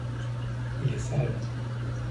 Il est sale.